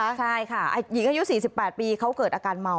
ใช่ค่ะหญิงอายุ๔๘ปีเขาเกิดอาการเมา